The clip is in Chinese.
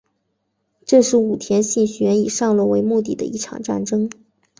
这是武田信玄以上洛为目的的一场战争。